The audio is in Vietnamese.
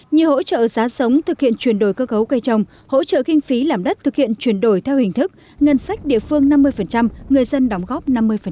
như hỗ trợ giá sống thực hiện chuyển đổi cơ cấu cây trồng hỗ trợ kinh phí làm đất thực hiện chuyển đổi theo hình thức ngân sách địa phương năm mươi người dân đóng góp năm mươi